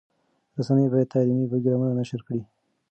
رسنۍ باید تعلیمي پروګرامونه نشر کړي.